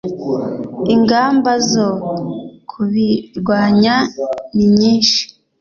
ingamba zo kubirwanya ninyishi.